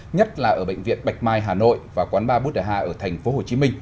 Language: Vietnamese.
nhất là ở bệnh viện bạch mai hà nội và quán ba bút đà hà ở tp hcm